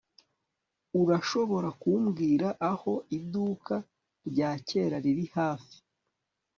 urashobora kumbwira aho iduka rya kera riri hafi